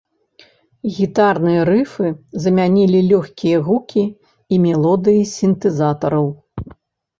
Гітарныя рыфы замянілі лёгкія гукі і мелодыі сінтэзатараў.